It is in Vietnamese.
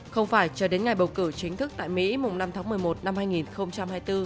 không phải cho đến ngày bầu cử chính thức tại mỹ mùng năm tháng một mươi một năm hai nghìn hai mươi bốn